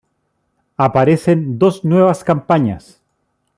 Aparecen dos nuevas campañas.